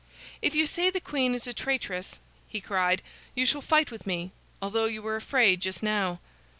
"If you say the queen is a traitress," he cried, "you shall fight with me, although you were afraid just now."